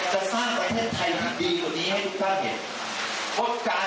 จะสร้างประเทศไทยที่ดีกว่านี้ให้คุณธนาเห็น